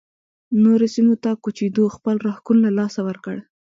نورو سیمو ته کوچېدو خپل راښکون له لاسه ورکړ